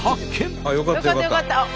あっよかったよかった。